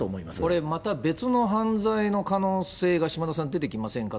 これ、また別の犯罪の可能性が、島田さん、出てきませんか。